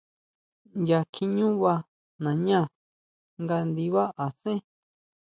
Nya kjiʼñú vaa nañá nga ndibá asén.